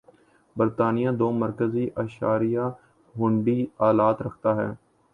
برطانیہ دو مرکزی اشاریہ ہُنڈی آلات رکھتا ہے